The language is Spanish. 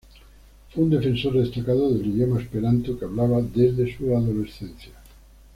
Fue un defensor destacado del idioma esperanto, que hablaba desde su adolescencia.